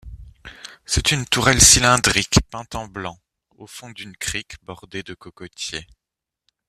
C'est une tourelle cylindrique peinte en blanc, au fond d'une crique bordée de cocotiers.